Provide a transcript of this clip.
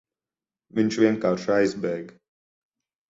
Viņš vienkārši aizbēga.